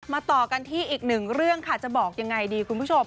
ต่อกันที่อีกหนึ่งเรื่องค่ะจะบอกยังไงดีคุณผู้ชม